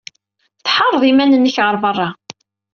Tḥeṛṛed iman-nnek ɣer beṛṛa.